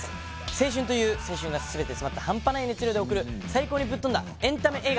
青春という青春が全て詰まったハンパない熱量で送る最高にぶっとんだエンタメ映画